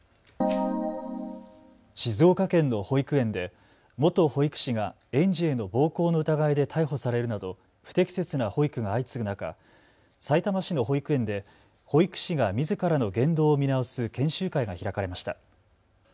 静岡県の保育園で元保育士が園児への暴行の疑いで逮捕されるなど不適切な保育が相次ぐ中、さいたま市の保育園で保育士がみずからの言動を見直す研修会が開かれました。